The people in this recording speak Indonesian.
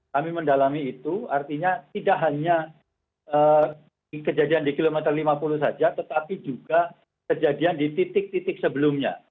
kami mendalami itu artinya tidak hanya kejadian di kilometer lima puluh saja tetapi juga kejadian di titik titik sebelumnya